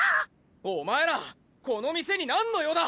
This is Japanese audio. お前らこの店に何のようだ！？